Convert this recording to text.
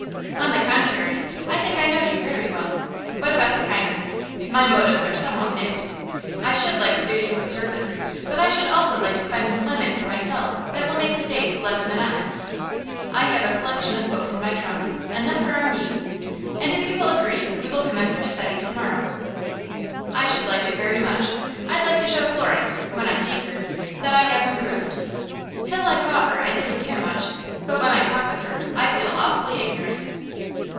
"On the contrary, I think I know you very well. But about the kindness my motives are somewhat mixed. I should like to do you a service, but I should also like to find employment for myself that will make the days less monotonous. I have a collection of books in my trunk, enough for our needs, and if you will agree we will commence our studies to morrow." "I should like it very much. I'd like to show Florence, when I see her, that I have improved. Till I saw her I didn't care much, but when I talk with her I feel awfully ignorant."